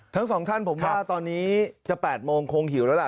ทั้งสองท่านผมว่าตอนนี้จะ๘โมงคงหิวแล้วล่ะ